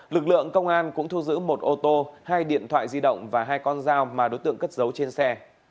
lực lượng công an cũng thu giữ một ô tô hai điện thoại di động và hai con dao mà đối tượng cất dấu trên xe